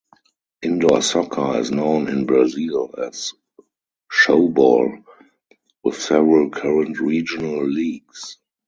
Indoor soccer is known in Brazil as "showbol", with several current regional leagues.